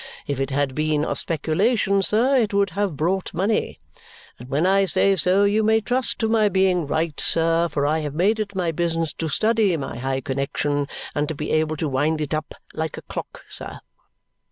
If it had been a speculation, sir, it would have brought money. And when I say so, you may trust to my being right, sir, for I have made it my business to study my high connexion and to be able to wind it up like a clock, sir."